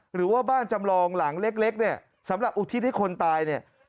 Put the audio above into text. หรือว่าบ้านจำลองหลังเล็กเนี่ยสำหรับอุทิศให้คนตายเนี่ย